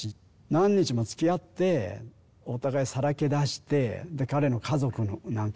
何日もつきあってお互いさらけ出して彼の家族なんかとも会って。